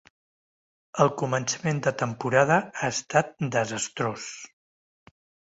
El començament de temporada ha estat desastrós.